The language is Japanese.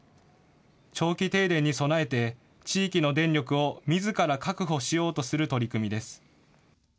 長期停電に備えて地域の電力をみずから確保しようとする取り組みです。